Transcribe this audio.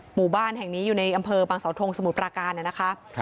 หมู่บ้านแห่งนี้อยู่ในอำเภอบางสาวทงสมุทรปราการนะคะ